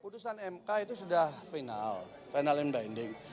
putusan mk itu sudah final final and binding